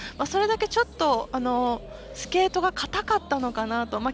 それだけ、ちょっとスケートが硬かったのかなと。